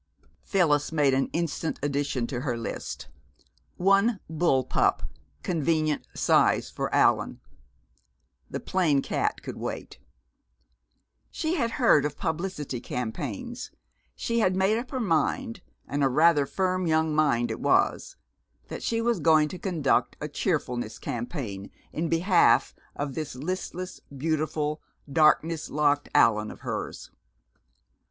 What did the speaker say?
Phyllis made an instant addition to her list. "One bull pup, convenient size, for Allan." The plain cat could wait. She had heard of publicity campaigns; she had made up her mind, and a rather firm young mind it was, that she was going to conduct a cheerfulness campaign in behalf of this listless, beautiful, darkness locked Allan of hers.